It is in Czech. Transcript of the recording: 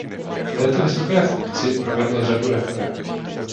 V této vysoké funkci provedl řadu reforem.